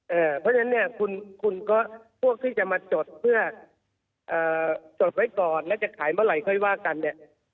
เพราะฉะนั้นเนี่ยคุณก็พวกที่จะมาจดเพื่อจดไว้ก่อนแล้วจะขายเมื่อไหร่ค่อยว่ากันเนี่ย